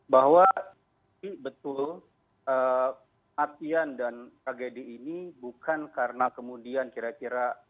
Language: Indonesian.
bahwa betul hatian dan tragedi ini bukan karena kemudian kira kira